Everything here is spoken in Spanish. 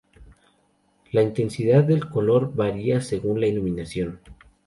La intensidad del color varia según la iluminación.